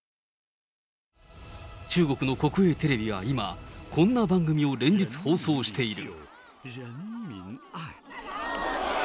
中国の国営テレビは今、こんな番組を連日、放送している。